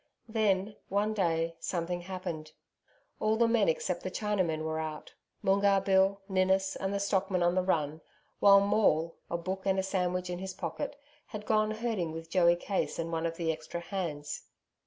Then, one day, something happened. All the men except the Chinamen were out. Moongarr Bill, Ninnis, and the stockmen on the run, while Maule a book and a sandwich in his pocket had gone herding with Joey Case and one of the extra hands.